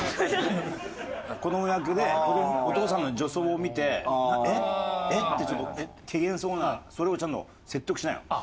子ども役でお父さんの女装を見て「えっ？えっ？」ってちょっと怪訝そうなそれをちゃんと説得しなよ。